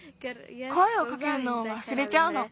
こえをかけるのをわすれちゃうの。